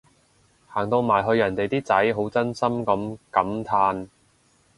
行到埋去人哋啲仔好真心噉感嘆